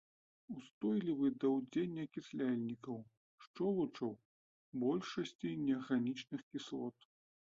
Устойлівы да ўздзеяння акісляльнікаў, шчолачаў, большасці неарганічных кіслот.